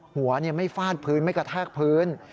หัวไม่ฟาดพื้นไม่กระแทกพื้น